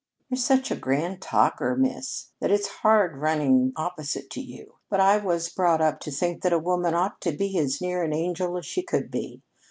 "You're such a grand talker, Miss, that it's hard running opposite to you, but I was brought up to think that a woman ought to be as near an angel as she could be.